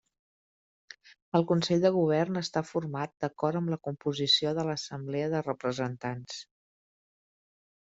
El Consell de Govern està format d'acord amb la composició de l'Assemblea de Representants.